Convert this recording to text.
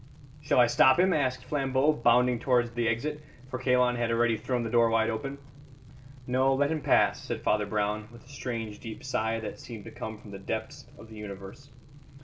"Shall I stop him?" asked Flambeau, bounding towards the exit, for Kalon had already thrown the door wide open. "No; let him pass," said Father Brown, with a strange deep sigh that seemed to come from the depths of the universe.